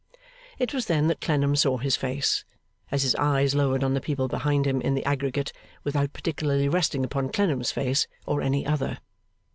It was then that Clennam saw his face; as his eyes lowered on the people behind him in the aggregate, without particularly resting upon Clennam's face or any other.